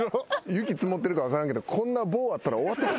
雪積もってるから分からんけどこんな棒あったら終わってる。